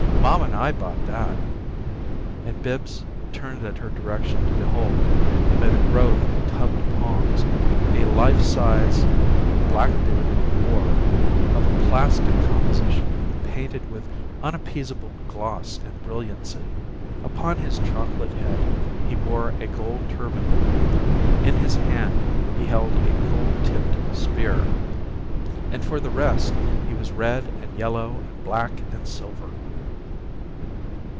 "Mamma and I bought that." And Bibbs turned at her direction to behold, amid a grove of tubbed palms, a "life size," black bearded Moor, of a plastic composition painted with unappeasable gloss and brilliancy. Upon his chocolate head he wore a gold turban; in his hand he held a gold tipped spear; and for the rest, he was red and yellow and black and silver.